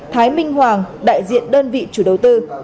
thái minh hoàng đại diện đơn vị chủ đầu tư